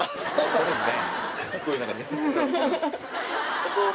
そうですね。